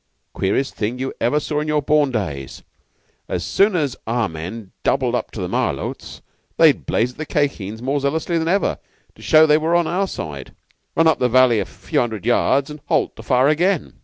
Queerest thing you ever saw in your born days! As soon as our men doubled up to the Malôts, they'd blaze at the Khye Kheens more zealously than ever, to show they were on our side, run up the valley a few hundred yards, and halt to fire again.